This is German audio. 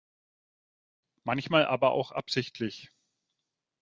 Manchmal aber auch absichtlich.